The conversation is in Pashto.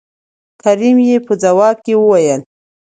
کريم يې په ځواب کې وويل